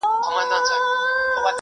د تشناب څنګ ته برس ایښودل خطر زیاتوي.